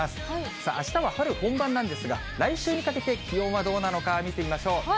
さあ、あしたは春本番なんですが、来週にかけて、気温はどうなのか、見てみましょう。